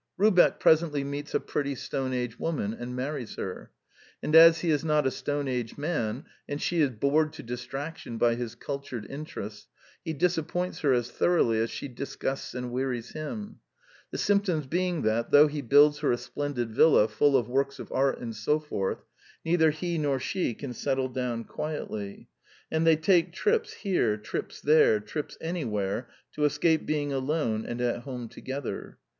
Rubeck presently meets a pretty Stone Age woman, and marries her. And as he is not a Stone Age man, and she is bored to distraction by his cultured interests, he disappoints her as thoroughly as she disgusts and wearies him: the symptoms being that though he builds her a splendid villa, full of works of art and so forth, neither he nor she can settle down quietly; and they take trips here, trips there, trips anywhere to escape being alone and at home together.